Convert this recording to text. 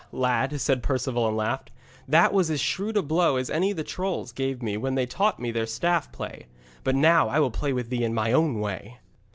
'Haha! lad,' said Perceval, and laughed, 'that was as shrewd a blow as any the trolls gave me when they taught me their staff play; but now I will play with thee in my own way.'